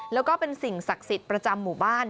แล้วก็เป็นสิ่งศักดิ์สิทธิ์ประจำหมู่บ้าน